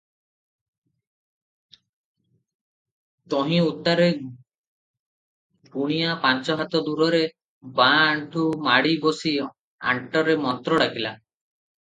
ତହିଁ ଉତ୍ତାରେ ଗୁଣିଆ ପାଞ୍ଚହାତ ଦୂରରେ ବାଆଁ ଆଣ୍ଠୁ ମାଡି ବସି ଆଣ୍ଟରେ ମନ୍ତ୍ର ଡାକିଲା-